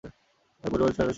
তাদের পরিবারের ছয়জন সদস্য।